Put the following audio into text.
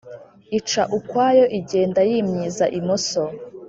ica ukwayo igenda yimyiza imoso